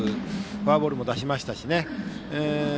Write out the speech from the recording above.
フォアボールも出しましたしね。